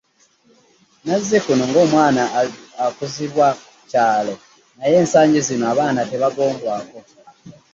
Nazikuno ng'omwana okuzibwa kyalo naye ensangi zino abaana tebagombwako.